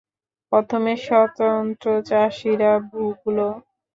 প্রথমে স্বতন্ত্র চাষীরা ভুগলো।